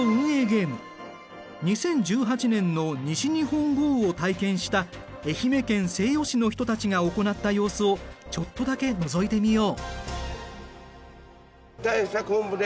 ２０１８年の西日本豪雨を体験した愛媛県西予市の人たちが行った様子をちょっとだけのぞいてみよう。